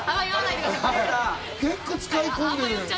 結構使い込んでるね。